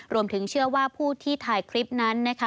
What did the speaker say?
รวมถึงเชื่อว่าผู้ที่ถ่ายคลิปนั้นนะคะ